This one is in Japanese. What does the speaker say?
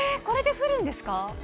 これで降るんですか？